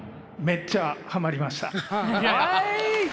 めっちゃハマりました？